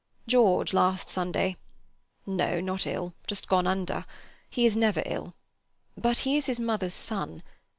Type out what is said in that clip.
"George last Sunday—no, not ill: just gone under. He is never ill. But he is his mother's son.